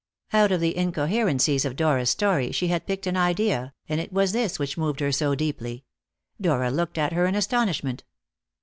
Out of the incoherencies of Dora's story she had picked an idea, and it was this which moved her so deeply. Dora looked at her in astonishment.